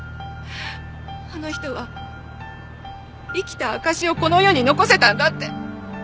あの人は生きた証しをこの世に残せたんだって。